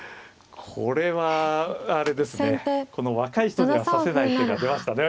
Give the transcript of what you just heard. これはあれですね若い人には指せない手が出ましたね。